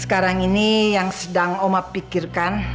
sekarang ini yang sedang oma pikirkan